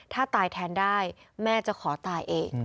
ถ้าตายแทนได้แม่จะขอตายเอง